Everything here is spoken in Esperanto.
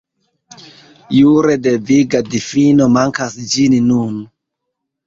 Jure deviga difino mankas ĝis nun.